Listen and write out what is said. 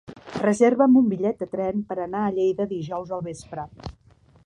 Reserva'm un bitllet de tren per anar a Lleida dijous al vespre.